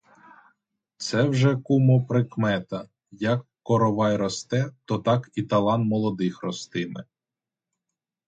Це вже, кумо, прикмета: як коровай росте, то так і талан молодих ростиме!